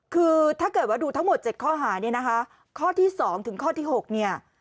คือถ้าเกิดว่าดูทั้งหมด๗ข้อหาข้อที่๒ถึงข้อที่๖